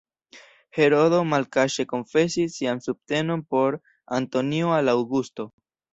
Herodo malkaŝe konfesis sian subtenon por Antonio al Aŭgusto.